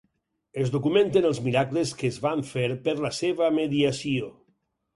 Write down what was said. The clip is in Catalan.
Es documenten els miracles que es van fer per la seva mediació.